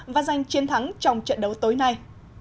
và giành chiến thắng trong trận đấu tối nay